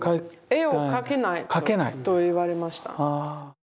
絵を描けないと言われました。